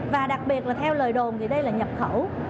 và đặc biệt là theo lời đồn thì đây là nhập khẩu